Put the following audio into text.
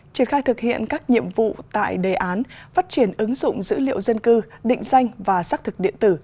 triển khai thực hiện các nhiệm vụ tại đề án phát triển ứng dụng dữ liệu dân cư định danh và xác thực điện tử